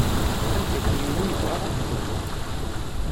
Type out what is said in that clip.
Ameddakel-inu yebɣa akeffay.